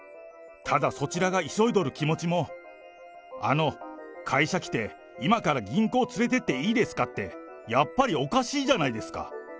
ただ、そちらがいそいどる気持ちも、あの会社来て、今から銀行連れてっていいですかって、やっぱりおかしいじゃないですか。